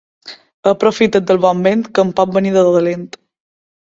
Aprofita't del bon vent, que en pot venir de dolent.